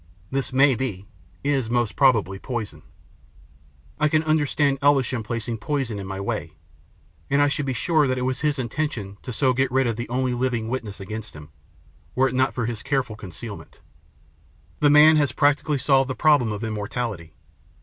This may be is most probably, poison. I can understand Elves 70 THE PLATTNER STORY AND OTHERS ham placing poison in my way, and I should be sure that it was his intention so to get rid of the only living witness against him, were it not for this careful concealment. The man has practically solved the problem of immortality.